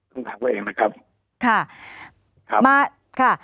ต้องถามเขาเองนะครับ